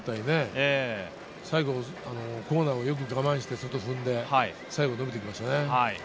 最後コーナー、よく我慢してよく踏んで伸びてきましたね。